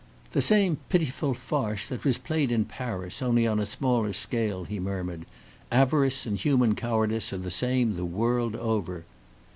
"The same pitiful farce that was played in Paris, only on a smaller scale," he murmured. "Avarice and human cowardice are the same the world over!"